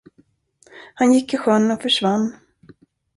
Han gick i sjön och försvann.